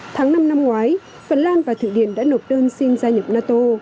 tháng năm năm ngoái phần lan và thụy điển đã nộp đơn xin gia nhập nato